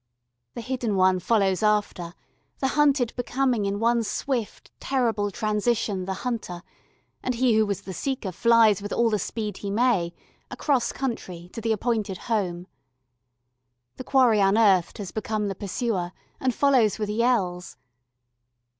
The hidden one follows after the hunted becoming in one swift terrible transition the hunter, and he who was the seeker flies with all the speed he may, across country, to the appointed "home." The quarry unearthed has become the pursuer and follows with yells.